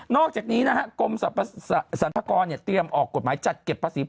อกจากนี้นะฮะกรมสรรพากรเตรียมออกกฎหมายจัดเก็บภาษี